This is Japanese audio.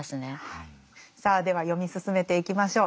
さあでは読み進めていきましょう。